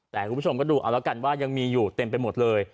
แต่คุณผู้ชมก็ดูเอาแล้วกันว่ายังมีอยู่เต็มไปหมดเลย